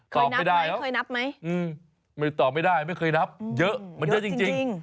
ตอบไม่ได้เคยนับไหมไม่ตอบไม่ได้ไม่เคยนับเยอะมันเยอะจริง